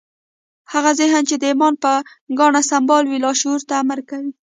هغه ذهن چې د ايمان په ګاڼه سمبال وي لاشعور ته امر کوي.